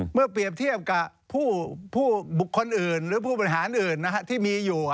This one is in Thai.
เมื่อเปรียบเทียบกับผู้บุคคลอื่นหรือผู้บริหารอื่นที่มีอยู่